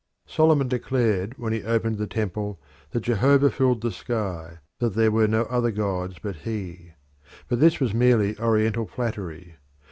Solomon declared when he opened the temple that Jehovah filled the sky, that there were no other gods but he. But this was merely Oriental flattery.